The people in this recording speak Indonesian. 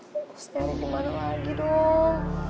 pusatnya dimana lagi dong